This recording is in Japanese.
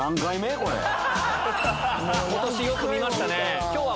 ことしよく見ましたね。